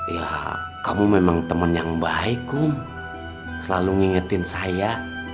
ya kamu memang temen yang baik kum selalu ngingetin saya